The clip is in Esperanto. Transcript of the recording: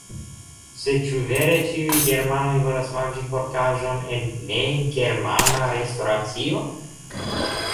Sed ĉu vere ĉiuj germanoj volas manĝi porkaĵon en negermana restoracio?